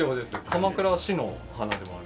鎌倉市の花でもある。